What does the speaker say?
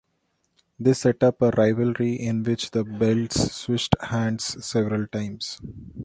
This set up a rivalry in which the belts switched hands several times.